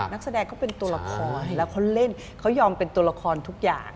นักแสดงเขาเป็นตัวละครแล้วเขาเล่นเขายอมเป็นตัวละครทุกอย่าง